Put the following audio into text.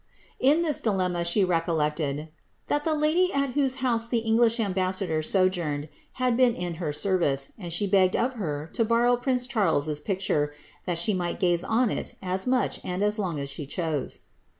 In this dilemma she recollected ^' that the lady at whose house the English ambassador sojourned, had been in her service, and she begged of her to borrow prince Charles's picture, that she might gaze on it as much and as long as she chose."